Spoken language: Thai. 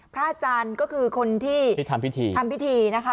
พระอาจารย์ก็คือคนที่ทำพิธีทำพิธีนะคะ